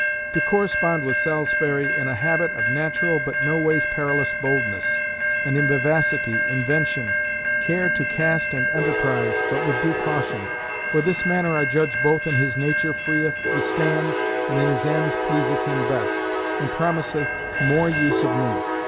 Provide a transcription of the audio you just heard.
"To correspond with Salisbury in a habit of natural but no ways perilous boldness, and in vivacity, invention, care to cast and enterprise (but with due caution), for this manner I judge both in his nature freeth the stands, and in his ends pleaseth him best, and promiseth more use of me.